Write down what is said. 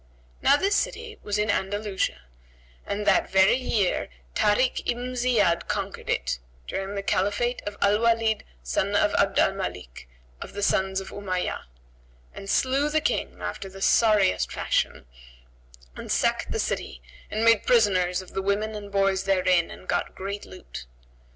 Now this city was in Andalusia; and that very year Tбrik ibn Ziyбd conquered it, during the Caliphate of Al Walнd son of Abd al Malik[FN#141] of the sons of Umayyah; and slew this King after the sorriest fashion and sacked the city and made prisoners of the women and boys therein and got great loot.